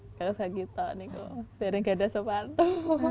pakai kaos kaki kaos kaki itu dari tidak ada sepatu